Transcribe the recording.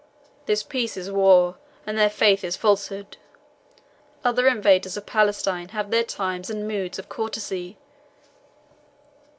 Their peace is war, and their faith is falsehood. Other invaders of Palestine have their times and moods of courtesy.